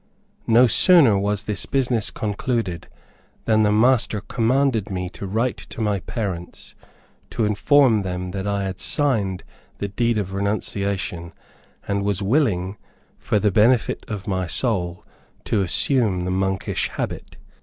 No sooner was this business concluded, than the master commanded me to write to my parents, to inform them that I had signed the deed of renunciation, and was willing, for the benefit of my soul, to assume the monkish habit.